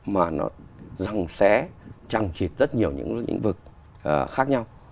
mà nó răng xé trăng trịt rất nhiều những vực khác nhau